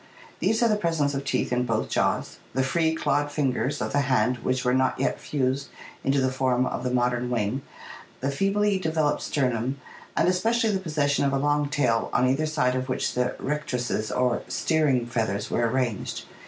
These are the presence of teeth in both jaws, the free, clawed fingers of the hand which were not yet fused into the form of the modern wing, the feebly developed sternum, and especially the possession of a long tail on either side of which the rectrices or steering feathers were arranged.